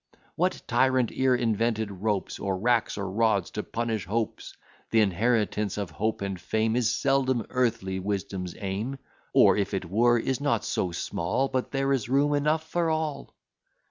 "What tyrant e'er invented ropes, Or racks, or rods, to punish hopes? Th' inheritance of hope and fame Is seldom Earthly Wisdom's aim; Or, if it were, is not so small, But there is room enough for all."